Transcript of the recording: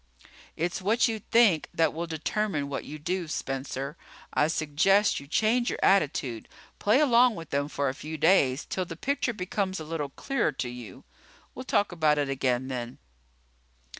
"It's what you think that will determine what you do, Spencer. I suggest you change your attitude; play along with them for a few days till the picture becomes a little clearer to you. We'll talk about it again then."